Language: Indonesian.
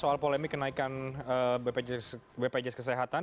soal polemik kenaikan bpjs kesehatan